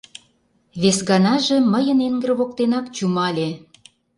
Вес ганаже мыйын эҥыр воктенак чумале.